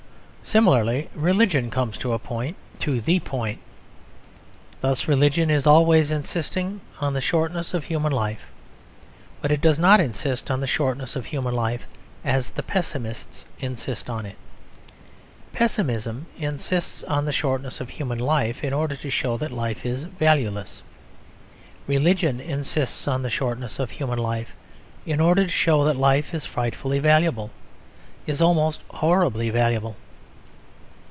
Similarly, religion comes to a point to the point. Thus religion is always insisting on the shortness of human life. But it does not insist on the shortness of human life as the pessimists insist on it. Pessimism insists on the shortness of human life in order to show that life is valueless. Religion insists on the shortness of human life in order to show that life is frightfully valuable is almost horribly valuable.